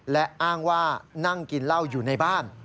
และอ้างว่านั่งกินเหล้าอยู่ในบ้าน